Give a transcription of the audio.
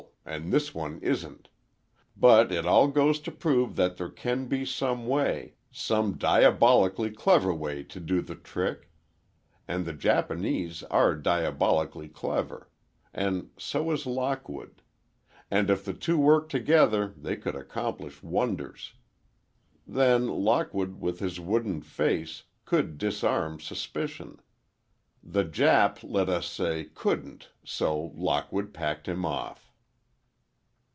And this one isn't. But it all goes to prove that there can be some way—some diabolically clever way to do the trick. And the Japanese are diabolically clever. And so is Lockwood. And if the two worked together they could accomplish wonders. Then Lockwood with his wooden face, could disarm suspicion. The Jap, let us say, couldn't, so Lockwood packed him off."